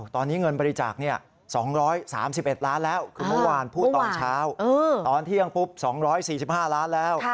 ตอนเที่ยงปุ๊บ๒๔๕ล้านบาทแล้ว